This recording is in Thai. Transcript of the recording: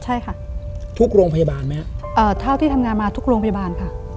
ใช่ค่ะทุกโรงพยาบาลไหมฮะเอ่อเท่าที่ทำงานมาทุกโรงพยาบาลค่ะ